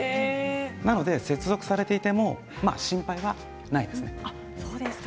なので接続されていても心配はないですね。